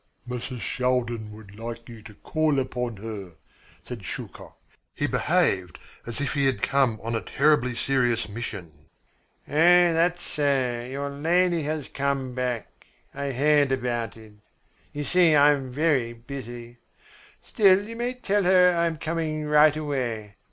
"Mrs. Shaldin would like you to call upon her," said Shuchok. He behaved as if he had come on a terribly serious mission. "Ah, that's so, your lady has come back. I heard about it. You see I am very busy. Still you may tell her I am coming right away.